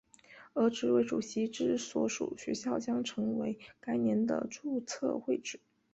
而执委主席之所属学校将成为该年的注册会址。